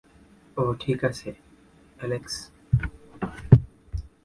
ও ঠিক আছে, অ্যালেক্স।